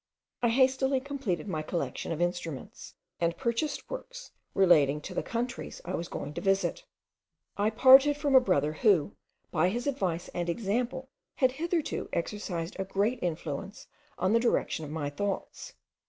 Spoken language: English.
I hastily completed my collection of instruments, and purchased works relating to the countries I was going to visit. I parted from a brother who, by his advice and example, had hitherto exercised a great influence on the direction of my thoughts.